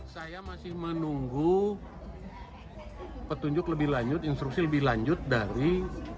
saya masih menunggu petunjuk lebih lanjut instruksi lebih lanjut dari